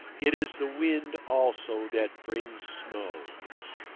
It is the wind, also, that brings snow.